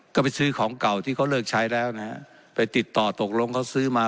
ก็ไปซื้อของเก่าที่เขาเลิกใช้แล้วนะฮะไปติดต่อตกลงเขาซื้อมา